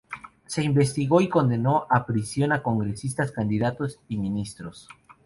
Se investigó y condenó a prisión a congresistas, candidatos y ministros.